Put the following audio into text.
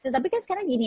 tapi kan sekarang gini